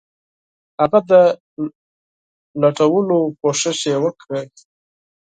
هغه د لوټلو کوښښ یې وکړ.